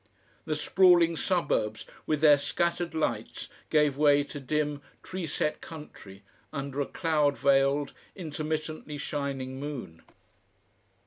The sprawling suburbs with their scattered lights gave way to dim tree set country under a cloud veiled, intermittently shining moon.